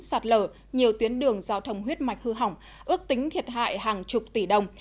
sạt lở nhiều tuyến đường giao thông huyết mạch hư hỏng ước tính thiệt hại hàng chục tỷ đồng